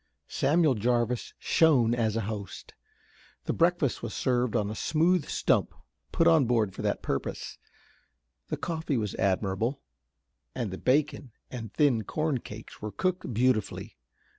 Samuel Jarvis shone as a host. The breakfast was served on a smooth stump put on board for that purpose. The coffee was admirable, and the bacon and thin corn cakes were cooked beautifully.